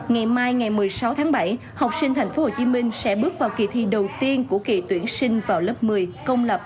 ngày mai ngày một mươi sáu tháng bảy học sinh tp hcm sẽ bước vào kỳ thi đầu tiên của kỳ tuyển sinh vào lớp một mươi công lập